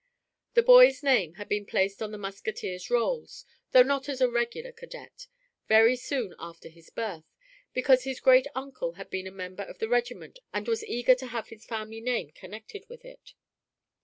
The boy's name had been placed on the Musketeers' rolls, though not as a regular cadet, very soon after his birth, because his great uncle had been a member of the regiment and was eager to have his family name connected with it.